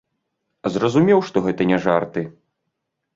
Зразумеў, што гэта не жарты.